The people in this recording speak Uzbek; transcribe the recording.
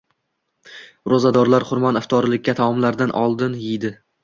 Roʻzadorlar xurmoni iftorlikda taomlardan oldin ydi